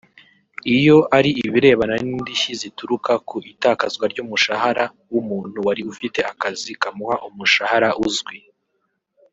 Iyo ari ibirebana n’indishyi zituruka ku itakazwa ry’umushahara w’umuntu wari ufite akazi kamuha umushahara uzwi